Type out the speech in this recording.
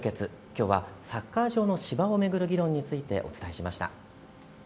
きょうはサッカー場の芝を巡る議論についてお伝えしました。